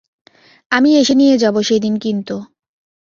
আমি এসে নিয়ে যাবো সেদিন কিন্তু।